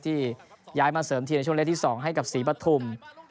ที่ย้ายมาเสริมทีมในช่วงเลขที่๒ให้กับศรีปฐุม